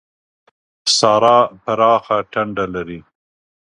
سارا پراخه ټنډه لري.